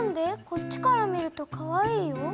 こっちから見るとかわいいよ。